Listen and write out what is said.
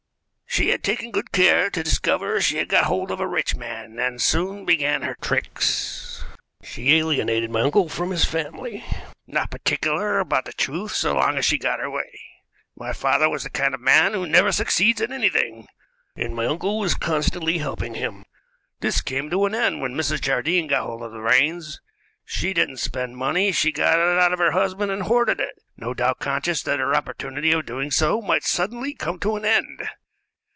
She had taken good care to discover she had got hold of a rich man, and soon began her tricks. She alienated my uncle from his family, not particular about the truth so long as she got her way. My father was the kind of man who never succeeds at anything, and my uncle was constantly helping him. This came to an end when Mrs. Jardine got hold of the reins. She didn't spend money; she got it out of her husband and hoarded it, no doubt conscious that her opportunity of doing so might suddenly come to an end.